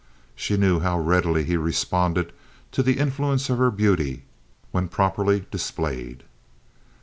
She knew how readily he responded to the influence of her beauty when properly displayed.